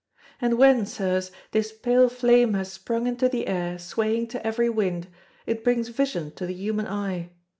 And when, Sirs, this pale flame has sprung into the air swaying to every wind, it brings vision to the human eye.